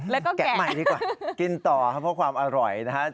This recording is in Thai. แล้วก็แกะแกะใหม่ดีกว่ากินต่อเพราะความอร่อยนะฮะ